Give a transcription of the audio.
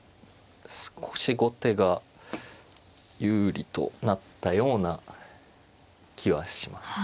少し後手が有利となったような気はします。